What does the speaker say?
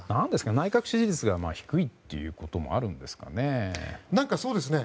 内閣支持率が低いこともあるんですかね。